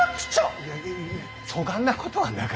いやそがんなことはなか。